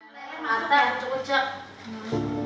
tati yang mata yang cukup cukup